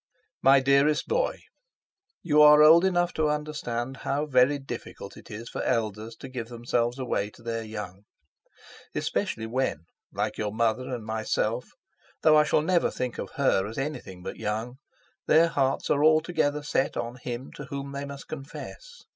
"MY DEAREST BOY, "You are old enough to understand how very difficult it is for elders to give themselves away to their young. Especially when—like your mother and myself, though I shall never think of her as anything but young—their hearts are altogether set on him to whom they must confess.